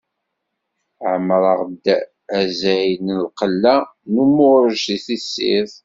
Ɛemmreɣ-d azal n lqella n umuṛej si tessirt.